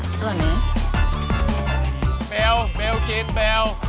เบ็ลเบลเกิดเบล